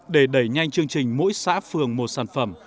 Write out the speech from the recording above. để đẩy nhanh chương trình mỗi xã phường một sản phẩm